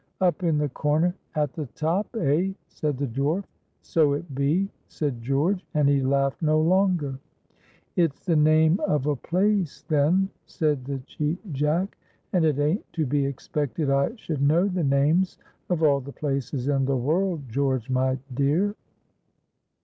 "Up in the corner, at the top, eh?" said the dwarf. "So it be," said George, and he laughed no longer. "It's the name of a place, then," said the Cheap Jack; "and it ain't to be expected I should know the names of all the places in the world, George, my dear."